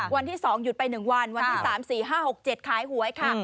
วันที่๒หยุดไป๑วันวันที่๓๔๕๖๗ขายหวยค่ะ